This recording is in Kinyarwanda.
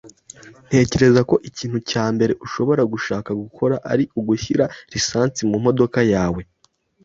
Ntekereza ko ikintu cya mbere ushobora gushaka gukora ari ugushyira lisansi mumodoka yawe.